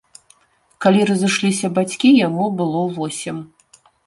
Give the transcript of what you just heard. Калі разышліся бацькі, яму было восем.